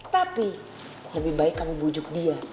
tapi lebih baik kamu bujuk dia